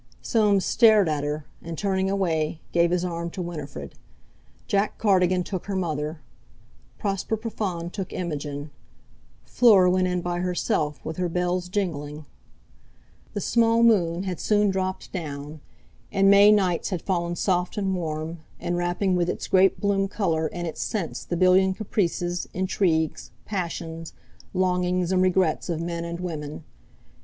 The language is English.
Soames stared at her, and, turning away, gave his arm to Winifred. Jack Cardigan took her mother. Prosper Profond took Imogen. Fleur went in by herself, with her bells jingling.... The "small" moon had soon dropped down, and May night had fallen soft and warm, enwrapping with its grape bloom colour and its scents the billion caprices, intrigues, passions, longings, and regrets of men and women.